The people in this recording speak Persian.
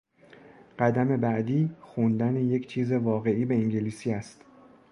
قدم بعدی خوندن یک چیز واقعی به انگلیسی است.